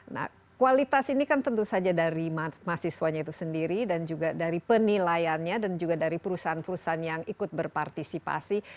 nah kualitas ini kan tentu saja dari mahasiswanya itu sendiri dan juga dari penilaiannya dan juga dari perusahaan perusahaan yang ikut berpartisipasi